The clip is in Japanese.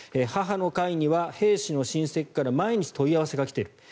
母の会には兵士の親戚から毎日問い合わせが来ている。